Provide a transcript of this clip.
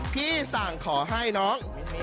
พี่สั่งขอให้น้อง